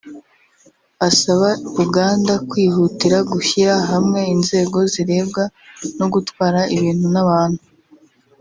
asaba Uganda kwihutira gushyira hamwe inzego zirebwa no gutwara ibintu n’abantu